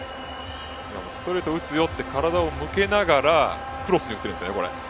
今もストレート打つよと体を向けながらクロスに打っているんですよね、これ。